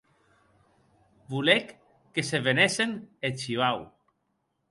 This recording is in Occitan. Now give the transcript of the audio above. Volec que se venessen eth shivau.